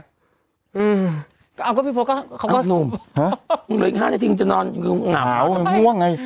อืมก็เอาก็พี่พศก็เขาก็หนุ่มฮะมึงเหลืออีกห้านาทีมึงจะนอนหนาวมันง่วงไง